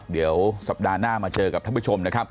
เดี๋ยวสัปดาห์หน้ามาเจอกับท่านผู้ชมนะครับ